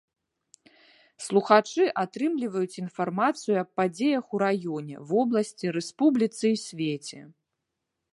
Слухачы атрымліваюць інфармацыю аб падзеях у раёне, вобласці, рэспубліцы і свеце.